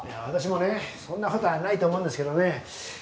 私もねそんな事はないと思うんですけどね